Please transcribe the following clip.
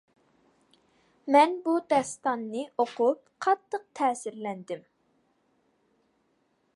مەن بۇ داستاننى ئوقۇپ قاتتىق تەسىرلەندىم.